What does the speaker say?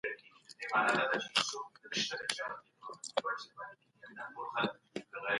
د دغي نکاح قطعي يا ممکن مصلحتونه او د ناکح هدفونه بيانول پکار دي